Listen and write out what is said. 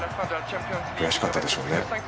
悔しかったでしょうね。